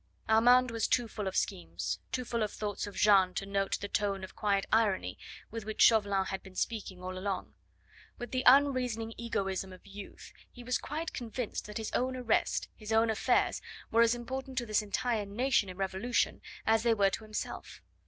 Armand was too full of schemes, too full of thoughts of Jeanne to note the tone of quiet irony with which Chauvelin had been speaking all along. With the unreasoning egoism of youth he was quite convinced that his own arrest, his own affairs were as important to this entire nation in revolution as they were to himself.